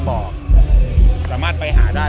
บอกสามารถไปหาได้